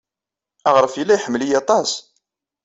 Aɣref yella iḥemmel-iyi aṭas.